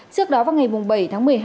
trước đó vào ngày bảy tháng một mươi hai